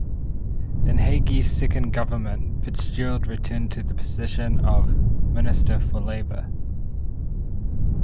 In Haughey's second government Fitzgerald returned to the position of Minister for Labour.